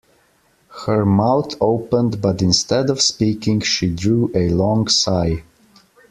Her mouth opened, but instead of speaking she drew a long sigh.